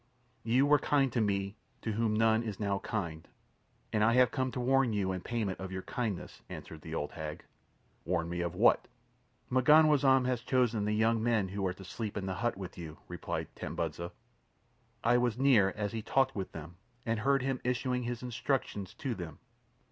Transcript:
"You were kind to me to whom none is now kind, and I have come to warn you in payment of your kindness," answered the old hag. "Warn me of what?" "M'ganwazam has chosen the young men who are to sleep in the hut with you," replied Tambudza. "I was near as he talked with them, and heard him issuing his instructions to them.